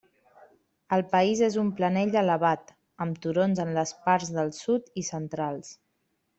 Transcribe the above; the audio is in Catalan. El país és un planell elevat, amb turons en les parts del sud i centrals.